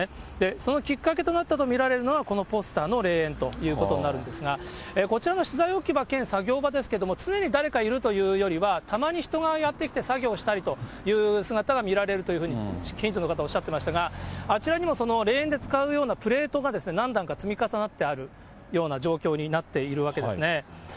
そのきっかけとなったと見られるのが、このポスターの霊園ということになるんですが、こちらの資材置き場兼作業場ですけれども、常に誰かいるというよりは、たまに人がやって来て作業したりという姿が見られるというふうに、近所の方はおっしゃってましたが、あちらにもその霊園で使うようなプレートが何段か積み重なっているような状況になっているわけですね。